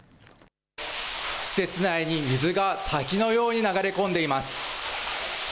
施設内に水が滝のように流れ込んでいます。